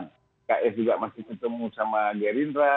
pks juga masih ketemu sama gerindra